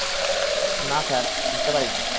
না স্যার, ধরতে পারিনি।